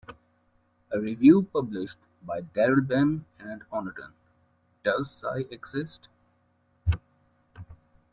A review published by Daryl Bem and Honorton, Does Psi Exist?